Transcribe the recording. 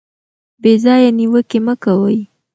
بې ځایه نیوکې مه کوئ.